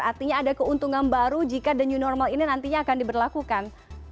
artinya ada keuntungan baru jika the new normal ini nantinya akan diberlakukan